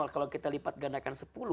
kalau kita lipat gandakan sepuluh